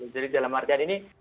jadi dalam artian ini